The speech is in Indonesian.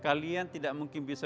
kalian tidak mungkin bisa